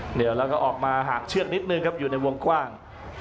เหนือแล้วก็ออกมาหากเชือกนิดนึงครับอยู่ในวงกว้าง